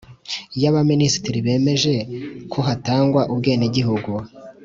y Abaminisitiri bemeje ko hatangwa ubwenegihugu